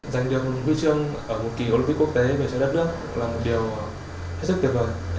giành được huy chương ở một kỳ olympic quốc tế về trái đất nước là một điều rất tuyệt vời